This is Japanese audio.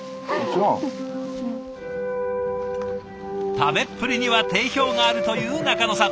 食べっぷりには定評があるという仲野さん。